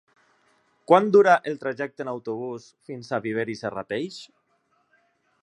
Quant dura el trajecte en autobús fins a Viver i Serrateix?